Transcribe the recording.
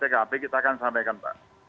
olah ckp kita akan sampaikan pak